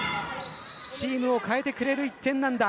チームを変えてくれる１点なんだ。